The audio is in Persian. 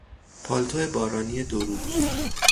پالتو بارانی دو رو